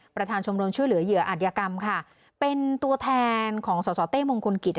ประธานชมรมช่วยเหลือเหยื่ออัธยกรรมค่ะเป็นตัวแทนของสสเต้มงคลกิจ